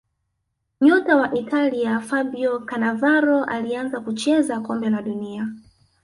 nyota wa italia fabio canavaro alianza kucheza kombe la dunia